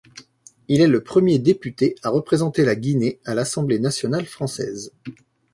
Il est le premier député à représenter la Guinée à l'Assemblée nationale française.